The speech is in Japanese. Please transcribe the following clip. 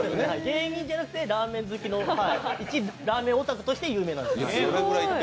芸人じゃなくて、ラーメン好きのいちラーメンオタクとして有名なんです。